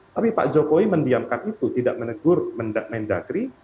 tapi pak jokowi mendiamkan itu tidak menegur mendagri